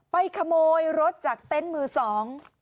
ขโมยรถจากเต็นต์มือสอง